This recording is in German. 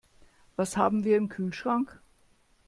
Was haben wir im Kühlschrank?